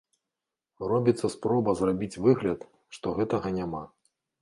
Робіцца спроба зрабіць выгляд, што гэтага няма.